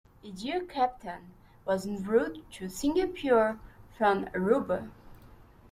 "Aegean Captain" was en route to Singapore from Aruba.